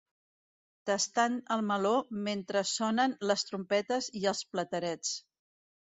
Tastant el meló mentre sonen les trompetes i els platerets.